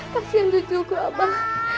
kasian cucuku abah